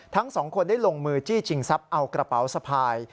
ทั้ง๒คนได้ลงมือจี้จิงซับเอากระเป๋าสะพาย